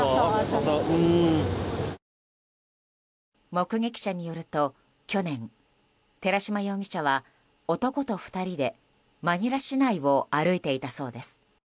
目撃者によると去年、寺島容疑者は男と２人で、マニラ市内を歩いていたそうです。